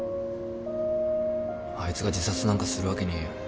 あいつが自殺なんかするわけねえよ。